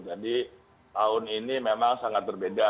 jadi tahun ini memang sangat berbeda